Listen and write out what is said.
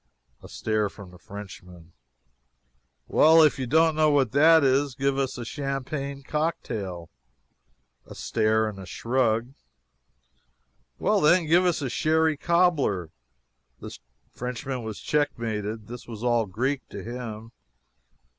[A stare from the Frenchman.] "Well, if you don't know what that is, give us a champagne cock tail." [A stare and a shrug.] "Well, then, give us a sherry cobbler." The Frenchman was checkmated. This was all Greek to him.